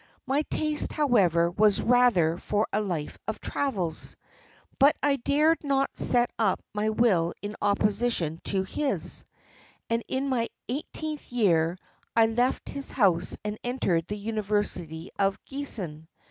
My taste, however, was rather for a life of travels; but I dared not set up my will in opposition to his, and in my eighteenth year I left his house and entered the University at Giessen.